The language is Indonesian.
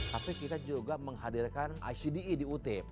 tapi kita juga menghadirkan icde di ut